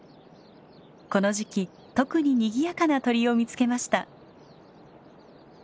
この時期特ににぎやかな鳥を見つけました。